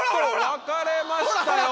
分かれましたよ。